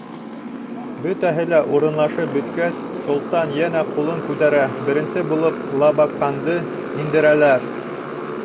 Бөтәһе лә урынлашып бөткәс, солтан йәнә ҡулын күтәрә, беренсе булып Лабаҡанды индерәләр.